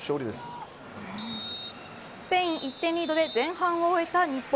スペイン１点リードで前半を終えた日本。